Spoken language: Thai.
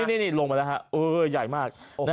นี่ลงมาแล้วครับเออใหญ่มาก